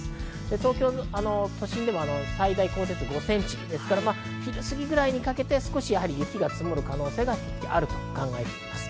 東京都心でも最大降雪５センチ、昼過ぎぐらいにかけて、やはり少し雪が積もる可能性があると考えています。